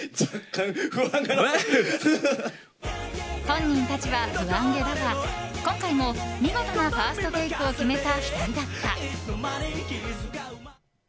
本人たちは不安げだが今回も見事なファーストテイクを決めた２人だった。